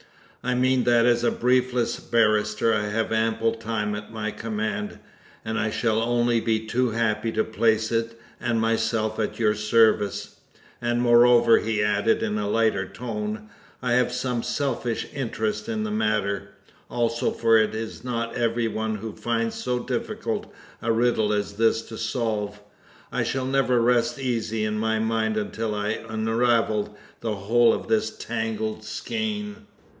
"I mean that as a briefless barrister I have ample time at my command, and I shall only be too happy to place it and myself at your service. And moreover," he added in a lighter tone, "I have some selfish interest in the matter, also, for it is not every one who finds so difficult a riddle as this to solve. I shall never rest easy in my mind until I unravel the whole of this tangled skein."